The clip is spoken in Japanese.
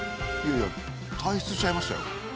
いやいや退出しちゃいましたよ。